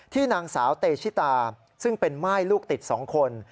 นางสาวเตชิตาซึ่งเป็นม่ายลูกติด๒คน